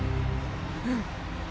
うん。